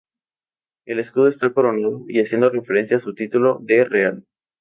El escudo está coronado, haciendo referencia a su título de "Real".